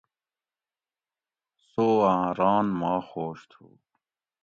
سوآں ران ما خوش تُھو